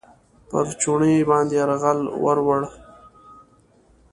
پر چوڼۍ باندې یرغل ورووړ.